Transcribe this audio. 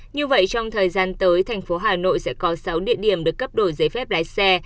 như vậy trong thời gian tới thành phố hà nội sẽ có sáu địa điểm được cấp đổi giấy phép lái xe